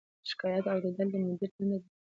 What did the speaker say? شکایت اوریدل د مدیر دنده ده